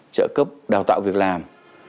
trợ cấp đào tạo việc làm